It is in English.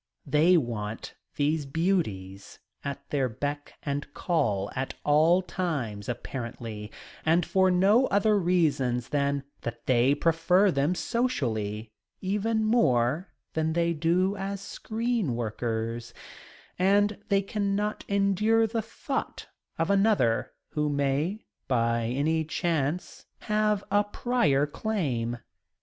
They want these beauties at their beck and call at all times, apparently, and for no other reason than that they prefer them socially even more than they do as screen workers and they cannot endure the thought of another who may, by any chance, have a prior claim.